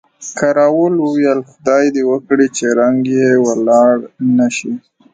کراول وویل، خدای دې وکړي چې رنګ یې ولاړ نه شي.